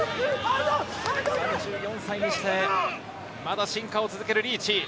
３４歳にして、まだ進化を続けるリーチ。